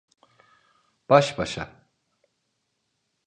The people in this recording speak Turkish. Baş başa.